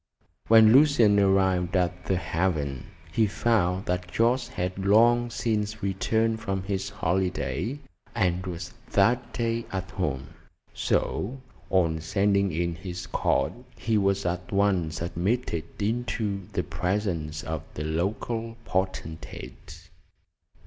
When Lucian arrived at "The Haven," he found that Jorce had long since returned from his holiday, and was that day at home; so on sending in his card he was at once admitted into the presence of the local potentate.